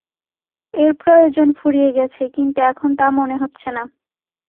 এর প্রয়োজন ফুরিয়ে গেছে, কিন্তু এখন তা মনে হচ্ছে না।